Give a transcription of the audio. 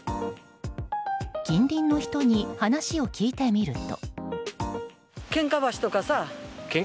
近隣の人に話を聞いてみると。